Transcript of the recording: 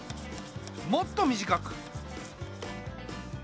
もっと短く。